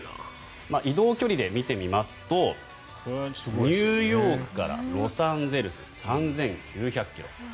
移動距離で見てみますとニューヨークからロサンゼルス３９００ｋｍ。